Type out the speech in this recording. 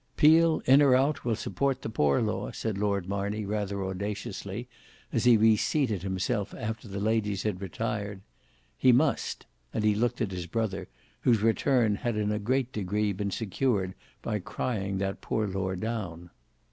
"Peel, in or out, will support the Poor Law," said Lord Marney, rather audaciously, as he reseated himself after the ladies had retired. "He must;" and he looked at his brother, whose return had in a great degree been secured by crying that Poor Law down.